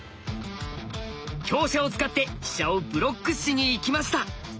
香車を使って飛車をブロックしにいきました。